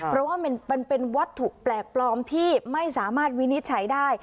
เพราะว่ามันเป็นวัตถุแปลกปลอมที่ไม่สามารถวินิจฉัยได้